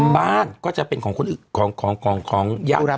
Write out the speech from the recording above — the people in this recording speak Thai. บ้านก็จะเป็นของ